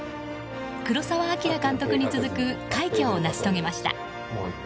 黒澤明監督に続く快挙を成し遂げました。